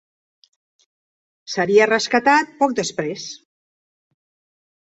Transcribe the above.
Seria rescatat poc després.